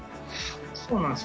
そうなんです